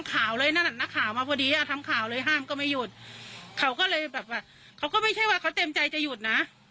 เขาก็ไม่ใช่ว่าเขาเต็มใจจะหยุดนะ